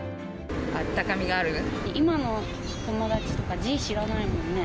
今の友達とか、字、知らないもんね。